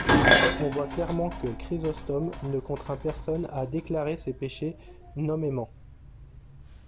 On voit clairement que Chrysostome ne contraint personne à déclarer ses péchés nommément.